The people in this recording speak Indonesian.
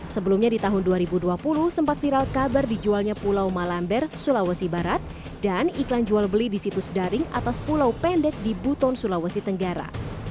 sebelumnya di tahun dua ribu dua puluh sempat viral kabar dijualnya pulau malamber sulawesi barat dan iklan jual beli di situs daring atas pulau pendek di buton sulawesi tenggara